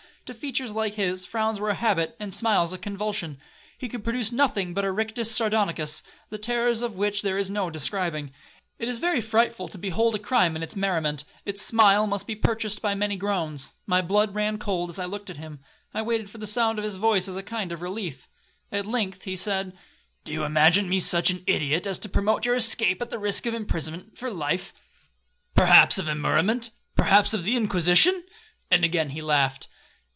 To features like his, frowns were a habit, and smiles a convulsion. He could produce nothing but a rictus Sardonicus, the terrors of which there is no describing. It is very frightful to behold crime in its merriment,—its smile must be purchased by many groans. My blood ran cold as I looked at him. I waited for the sound of his voice as a kind of relief. At length he said, 'Do you imagine me such an ideot as to promote your escape at the risk of imprisonment for life,—perhaps of immurement,—perhaps of the Inquisition?' and again he laughed.